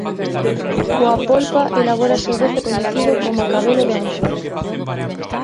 Coa polpa elabórase o doce coñecido coma cabelo de anxo.